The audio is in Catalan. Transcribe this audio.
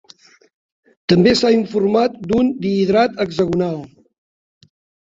També s'ha informat d'un dihidrat hexagonal.